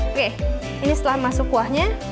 oke ini setelah masuk kuahnya